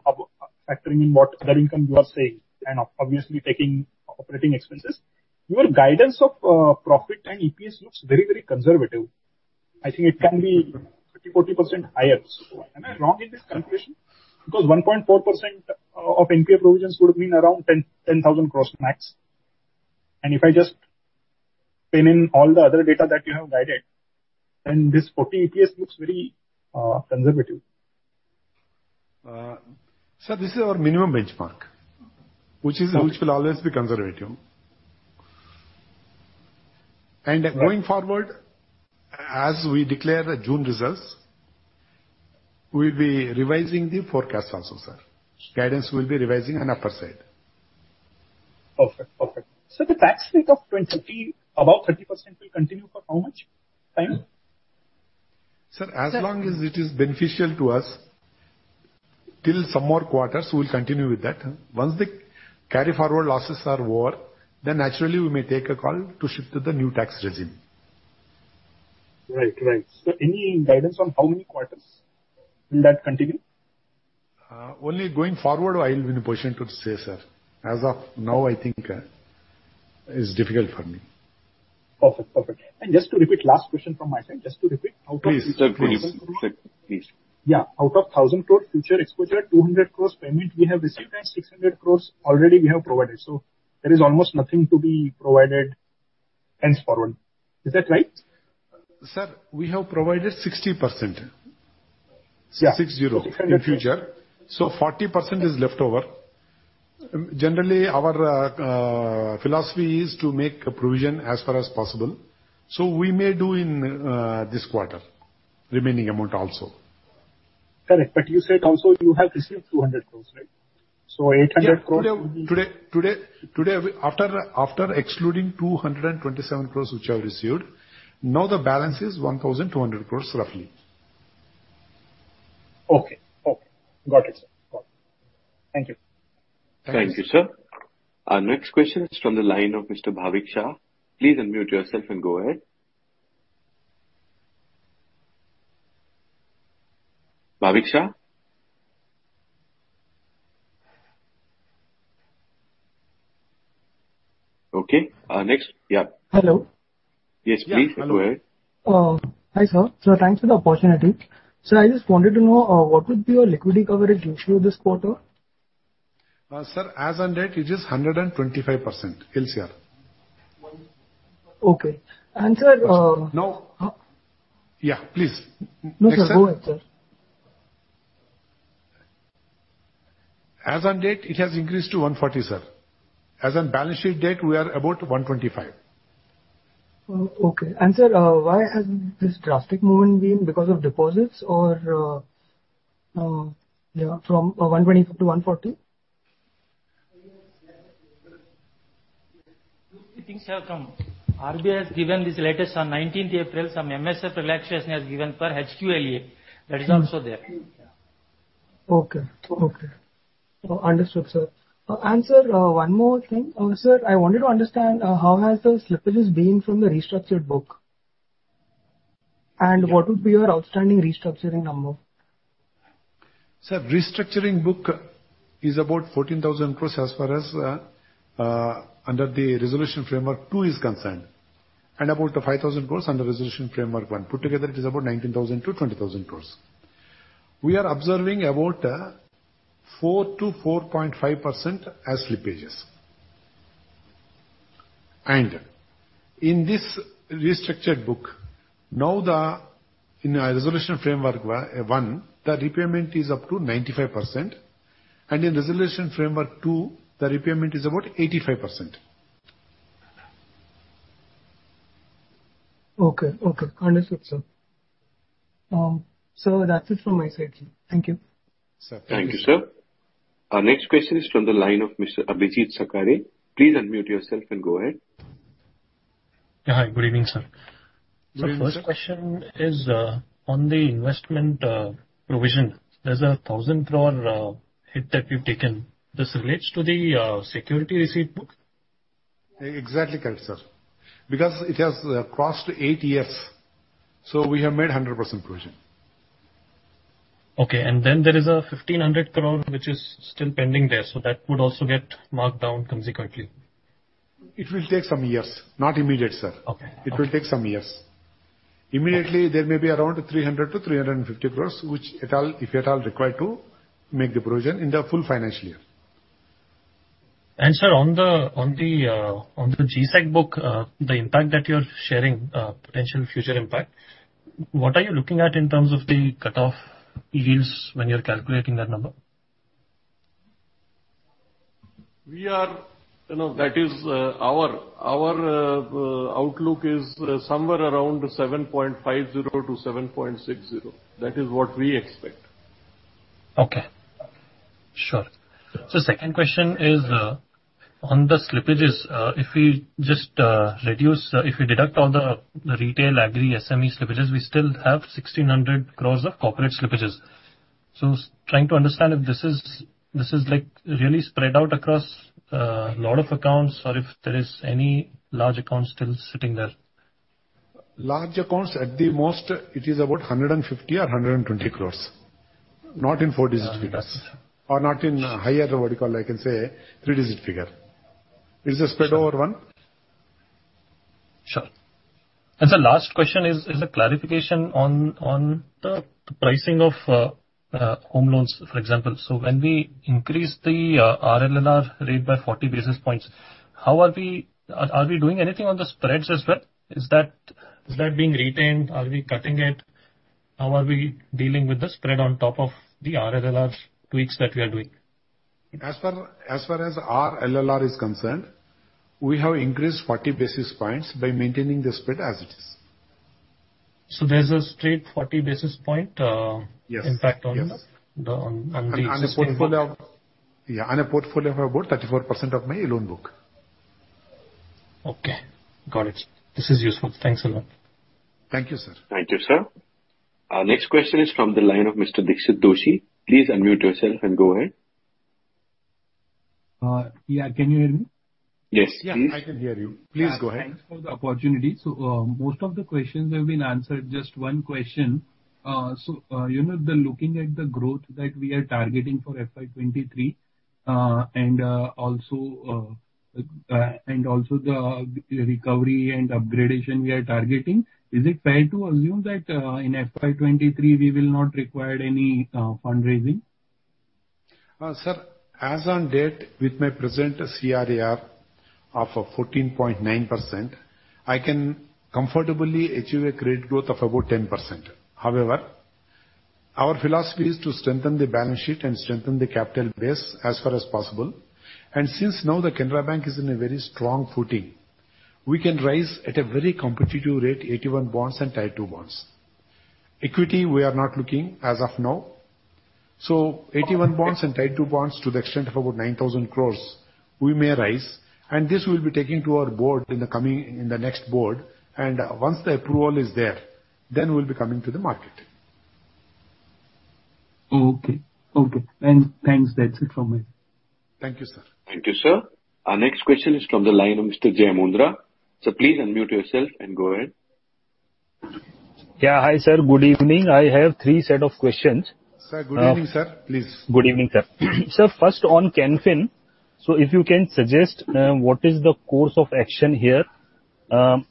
factoring in what other income you are saying, and obviously taking operating expenses, your guidance of profit and EPS looks very, very conservative. I think it can be 30%-40% higher. Am I wrong in this calculation? Because 1.4% of NPA provisions would have been around 10,000 crores max. If I just plug in all the other data that you have guided, then this 14 EPS looks very conservative. This is our minimum benchmark. Okay. Which will always be conservative. Going forward, as we declare the June results, we'll be revising the forecast also, sir. Guidance will be revising on upper side. Perfect. The tax rate of 20%, about 30% will continue for how much time? Sir, as long as it is beneficial to us, till some more quarters we'll continue with that. Once the carry forward losses are over, then naturally we may take a call to shift to the new tax regime. Right. Any guidance on how many quarters will that continue? Only going forward I will be in a position to say, sir. As of now, I think, it's difficult for me. Perfect. Just to repeat last question from my side. Please, sir. Please. Yeah. Out of 1,000 crores future exposure, 200 crores payment we have received and 600 crores already we have provided. There is almost nothing to be provided hence forward. Is that right? Sir, we have provided 60%. Yeah. 60% in future. 40% is left over. Generally, our philosophy is to make a provision as far as possible. We may do in this quarter, remaining amount also. Correct. You said also you have received 200 crore, right? 800 crore. Today, after excluding 227 crores which I have received, now the balance is 1,200 crores roughly. Okay. Got it, sir. Thank you. Thank you, sir. Thank you, sir. Our next question is from the line of Mr. Bhavik Shah. Please unmute yourself and go ahead. Bhavik Shah? Okay, next. Yeah. Hello. Yes, please. Go ahead. Hi, sir. Thanks for the opportunity. Sir, I just wanted to know what would be your liquidity coverage ratio this quarter? Sir, as on date, it is 125% LCR. Okay. Sir, Yeah, please. Next time. No, sir. Go ahead, sir. As on date, it has increased to 140%, sir. As on balance sheet date, we are about 125%. Oh, okay. Sir, why has this drastic movement been? Because of deposits or, yeah, from 120%-140%? Two things have come. RBI has given this latest on 19th April, some MSF relaxation has given for HQLA. That is also there. Okay. Understood, sir. Sir, one more thing. Sir, I wanted to understand how has the slippages been from the restructured book. What would be your outstanding restructuring number? Sir, restructuring book is about 14,000 crore as far as under the Resolution Framework 2 is concerned, and about 5,000 crore under Resolution Framework 1. Put together, it is about 19,000- 20,000 crore. We are observing about 4%-4.5% as slippages. In this restructured book, now the, in our Resolution Framework 1, the repayment is up to 95%, and in Resolution Framework 2, the repayment is about 85%. Okay. Understood, sir. That's it from my side, sir. Thank you. Sir, thank you. Thank you, sir. Our next question is from the line of Mr. Abhijeet Sakhare. Please unmute yourself and go ahead. Yeah, hi. Good evening, sir. Good evening, sir. First question is on the investment provision. There's 1,000 crore hit that you've taken. This relates to the security receipt book? Exactly, correct, sir. Because it has crossed eight years, so we have made 100% provision. Okay. There is 1,500 crore which is still pending there, so that would also get marked down consequently. It will take some years. Not immediate, sir. Okay. It will take some years. Immediately, there may be around 300- 350 crores, which in all, if at all, required to make the provision in the full financial year. Sir, on the G-Sec book, the impact that you're sharing, potential future impact, what are you looking at in terms of the cutoff yields when you're calculating that number? You know, that is, our outlook is somewhere around 7.50%-7.60%. That is what we expect. Second question is on the slippages, if we deduct all the retail agri SME slippages, we still have 1,600 crores of corporate slippages. Trying to understand if this is like really spread out across a lot of accounts or if there is any large account still sitting there. Large accounts, at the most, it is about 150 or 120 crores. Not in four-digit figures. Yes. not in higher, what do you call, I can say three-digit figure. It is spread over one. Sure. Sir, last question is a clarification on the pricing of home loans, for example. When we increase the RLLR rate by 40 basis points, how are we doing anything on the spreads as well? Is that being retained? Are we cutting it? How are we dealing with the spread on top of the RLLR tweaks that we are doing? As far as RLLR is concerned, we have increased 40 basis points by maintaining the spread as it is. There's a straight 40 basis point- Yes. impact on the On a portfolio of about 34% of my loan book. Okay. Got it. This is useful. Thanks a lot. Thank you, sir. Thank you, sir. Our next question is from the line of Mr. Dixit Doshi. Please unmute yourself and go ahead. Yeah. Can you hear me? Yes, please. Yeah, I can hear you. Please go ahead. Thanks for the opportunity. Most of the questions have been answered. Just one question. You know, looking at the growth that we are targeting for FY 2023, and also the recovery and upgradation we are targeting, is it fair to assume that in FY 2023 we will not require any fundraising? Sir, as on date, with my present CRAR of 14.9%, I can comfortably achieve a credit growth of about 10%. However, our philosophy is to strengthen the balance sheet and strengthen the capital base as far as possible. Since now the Canara Bank is in a very strong footing, we can raise at a very competitive rate, AT1 bonds and Tier 2 bonds. Equity, we are not looking as of now. AT1 bonds and Tier 2 bonds to the extent of about 9,000 crore we may raise, and this we'll be taking to our board in the next board. Once the approval is there, then we'll be coming to the market. Okay. Thanks. That's it from me. Thank you, sir. Thank you, sir. Our next question is from the line of Mr. Jai Mundra. Sir, please unmute yourself and go ahead. Yeah. Hi, sir. Good evening. I have three set of questions. Sir, good evening, sir. Please. Good evening, sir. Sir, first on Can Fin. If you can suggest what is the course of action here,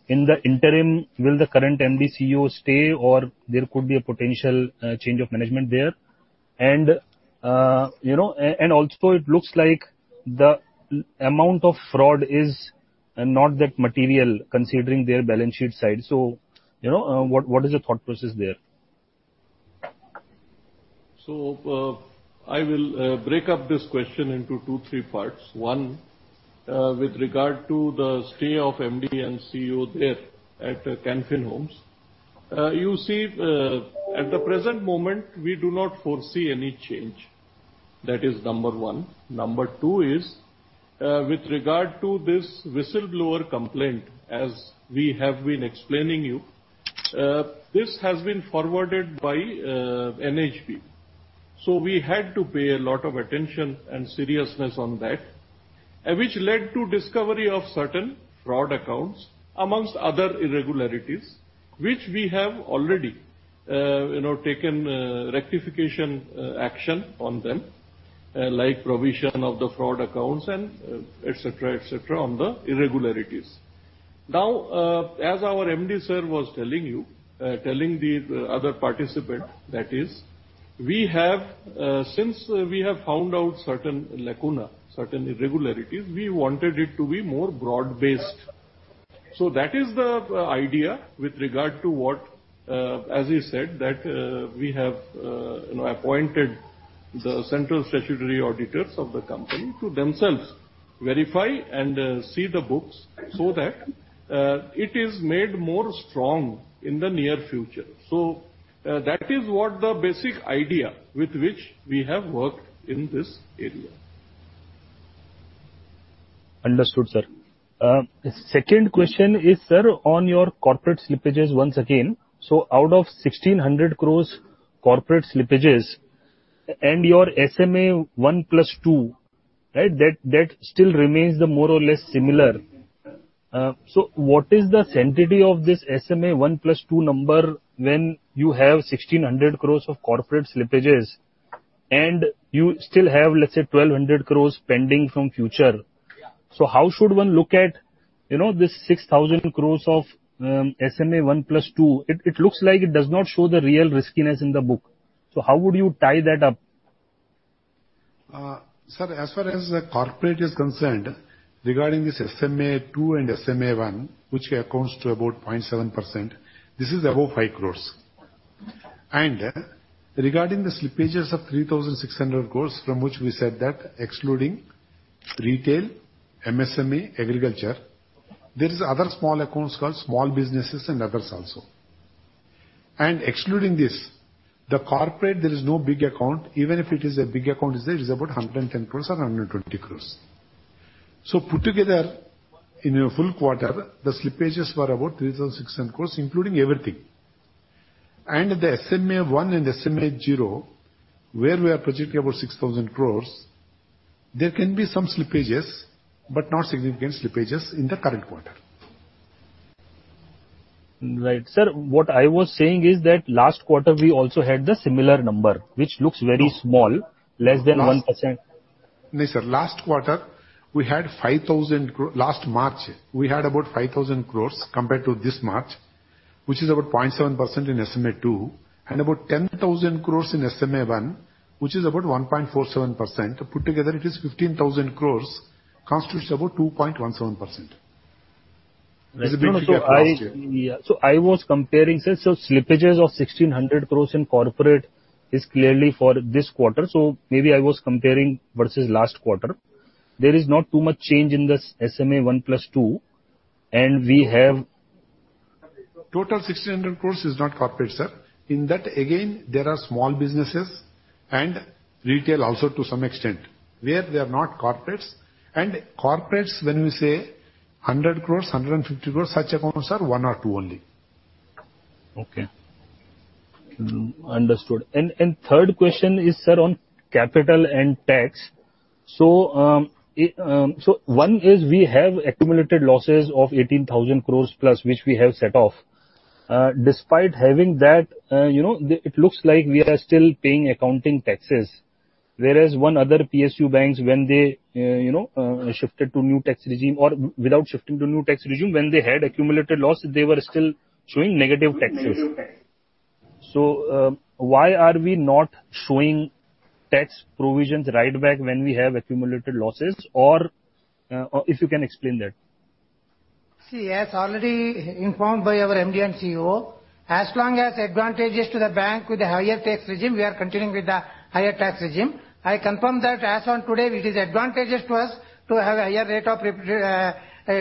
in the interim, will the current MD & CEO stay or there could be a potential change of management there? You know, and also it looks like the low amount of fraud is not that material considering their balance sheet size. You know, what is the thought process there? I will break up this question into two, three parts. One, with regard to the stay of MD and CEO there at Can Fin Homes. You see, at the present moment we do not foresee any change. That is number one. Number two is, with regard to this whistleblower complaint, as we have been explaining you, this has been forwarded by NHB. We had to pay a lot of attention and seriousness on that, which led to discovery of certain fraud accounts amongst other irregularities, which we have already, you know, taken rectification action on them, like provision of the fraud accounts and et cetera, et cetera, on the irregularities. Now, as our MD sir was telling the other participant, that is, since we have found out certain lacuna, certain irregularities, we wanted it to be more broad based. That is the idea with regard to what, as you said, that we have, you know, appointed the central statutory auditors of the company to themselves verify and see the books so that it is made more strong in the near future. That is what the basic idea with which we have worked in this area. Understood, sir. Second question is, sir, on your corporate slippages once again. Out of 1,600 crores corporate slippages and your SMA-1 plus 2, right? That still remains more or less similar. What is the sanctity of this SMA-1 plus 2 number when you have 1,600 crores of corporate slippages and you still have, let's say, 1,200 crores pending from Future. How should one look at, you know, this 6,000 crores of SMA-1 plus 2? It looks like it does not show the real riskiness in the book. How would you tie that up? Sir, as far as the corporate is concerned, regarding this SMA-2 and SMA-1, which amounts to about 0.7%, this is above 5 crores. Regarding the slippages of 3,600 crores from which we said that excluding retail, MSME, agriculture, there is other small accounts called small businesses and others also. Excluding this, the corporate, there is no big account. Even if it is a big account, is about 110 crores or 120 crores. Put together in a full quarter, the slippages were about 3,600 crores, including everything. The SMA-1 and SMA-2, where we are projecting about 6,000 crores, there can be some slippages, but not significant slippages in the current quarter. Right. Sir, what I was saying is that last quarter we also had the similar number, which looks very small, less than 1%. No, sir. Last March, we had about 5,000 crores compared to this March, which is about 0.7% in SMA-2 and about 10,000 crores in SMA-2, which is about 1.47%. Put together it is 15,000 crores, constitutes about 2.17%. No, no. This is the figure for last year. Yeah. I was comparing, sir. Slippages of 1,600 crore in corporate is clearly for this quarter, so maybe I was comparing versus last quarter. There is not too much change in this SMA-1 plus 2, and we have- Total 1,600 crore is not corporate, sir. In that again, there are small businesses and retail also to some extent where they are not corporates. Corporates, when we say 100 crore, 150 crore, such accounts are one or two only. Okay. Understood. Third question is, sir, on capital and tax. One is we have accumulated losses of 18,000 crore plus, which we have set off. Despite having that, it looks like we are still paying accounting taxes. Whereas one other PSU banks, when they shifted to new tax regime or without shifting to new tax regime, when they had accumulated loss, they were still showing negative taxes. Negative taxes. Why are we not showing tax provisions right back when we have accumulated losses? Or, if you can explain that. See, as already informed by our MD and CEO, as long as advantageous to the bank with a higher tax regime, we are continuing with the higher tax regime. I confirm that as on today, it is advantageous to us to have a higher rate of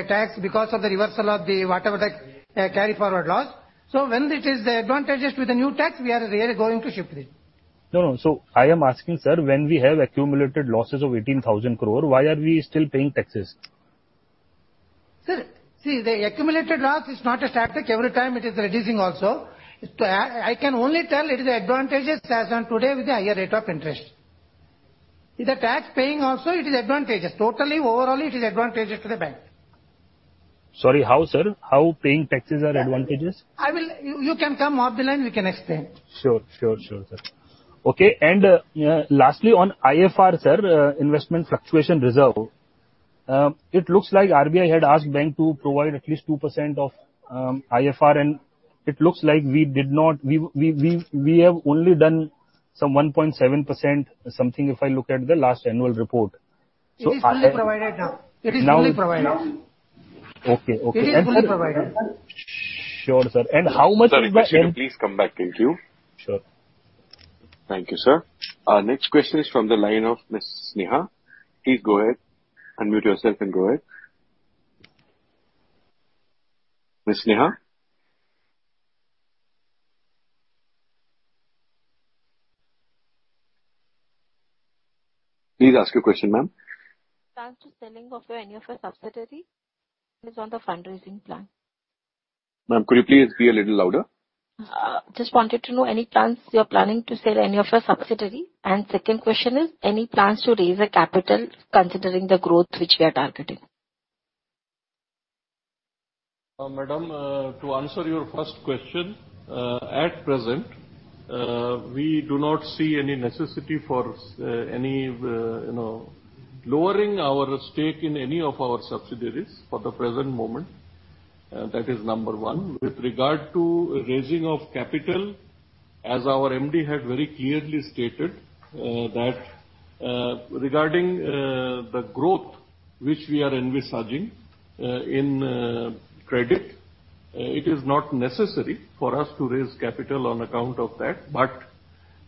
tax because of the reversal of the carry forward loss. When it is advantageous with the new tax, we are really going to shift it. No, no. I am asking, sir, when we have accumulated losses of 18,000 crore, why are we still paying taxes? Sir, see the accumulated loss is not a static. Every time it is reducing also. I can only tell it is advantageous as on today with the higher rate of interest. With the tax paying also it is advantageous. Totally, overall it is advantageous to the bank. Sorry, how, sir? How paying taxes are advantageous? You can come off the line, we can explain. Sure, sir. Okay, lastly, on IFR, sir, investment fluctuation reserve. It looks like RBI had asked bank to provide at least 2% of IFR, and it looks like we did not. We have only done some 1.7% something, if I look at the last annual report. It is fully provided, sir. Now- It is fully provided. Okay. It is fully provided. Sure, sir. How much- Sir, could you please come back in queue? Sure. Thank you, sir. Our next question is from the line of Miss Sneha. Please go ahead. Unmute yourself and go ahead. Miss Sneha? Please ask your question, ma'am. Plans for selling off any of your subsidiaries. One is on the fundraising plan. Ma'am, could you please be a little louder? Just wanted to know any plans you are planning to sell any of your subsidiary? Second question is, any plans to raise the capital considering the growth which we are targeting? Madam, to answer your first question, at present, we do not see any necessity for any, you know, lowering our stake in any of our subsidiaries for the present moment. That is number one. With regard to raising of capital, as our MD had very clearly stated, that regarding the growth which we are envisaging in credit, it is not necessary for us to raise capital on account of that.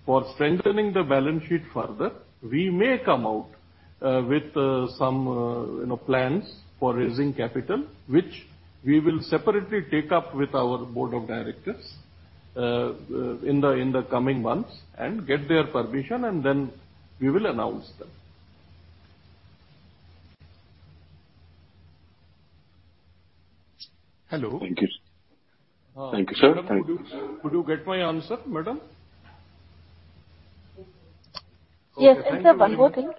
For strengthening the balance sheet further, we may come out with some, you know, plans for raising capital, which we will separately take up with our board of directors in the coming months and get their permission and then we will announce that. Hello. Thank you. Thank you, sir. Thank you. Madam, could you get my answer, madam? Yes. Sir, one more thing.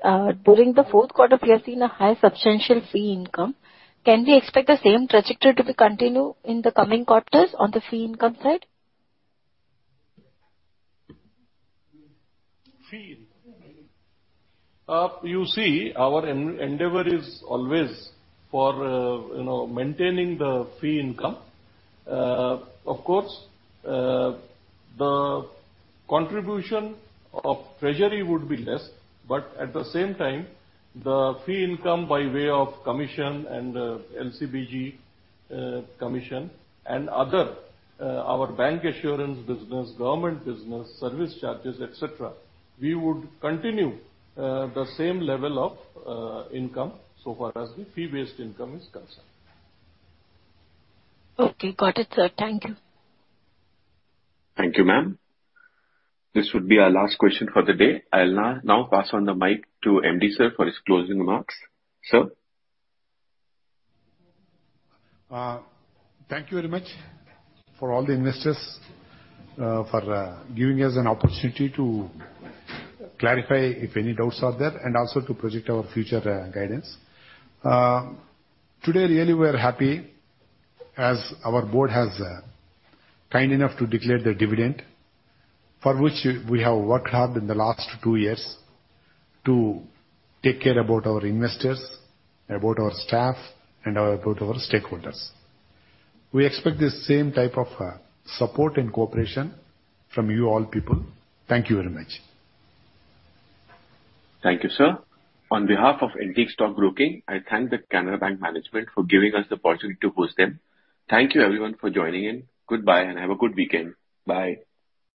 During the fourth quarter, we have seen a highly substantial fee income. Can we expect the same trajectory to continue in the coming quarters on the fee income side? Fee income. You see, our endeavor is always for, you know, maintaining the fee income. Of course, the contribution of treasury would be less, but at the same time, the fee income by way of commission and LC/BG commission and other, our bancassurance business, government business, service charges, et cetera, we would continue the same level of income so far as the fee-based income is concerned. Okay. Got it, sir. Thank you. Thank you, ma'am. This would be our last question for the day. I'll now pass on the mic to MD, sir, for his closing remarks. Sir. Thank you very much for all the investors for giving us an opportunity to clarify if any doubts are there, and also to project our future guidance. Today really we are happy as our board has kind enough to declare the dividend for which we have worked hard in the last two years to take care about our investors, about our staff and about our stakeholders. We expect the same type of support and cooperation from you all people. Thank you very much. Thank you, sir. On behalf of Antique Stock Broking, I thank the Canara Bank management for giving us the opportunity to host them. Thank you everyone for joining in. Goodbye and have a good weekend. Bye.